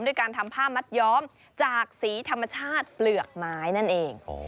ด้วยการทำผ้ามัดย้อมจากสีธรรมชาติเปลือกไม้นั่นเอง